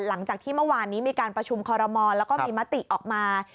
หลังจากที่เมื่อวานนี้มีการประชุมคอรมอลแล้วก็มีมติออกมา